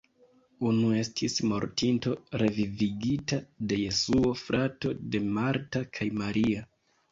Unu estis mortinto revivigita de Jesuo, frato de Marta kaj Maria.